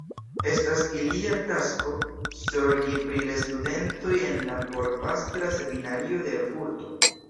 Estas ilia tasko zorgi pri la studentoj en la Porpastra Seminario de Erfurto.